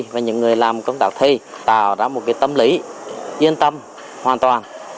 và những người làm công tác thi tạo ra một tâm lý yên tâm hoàn toàn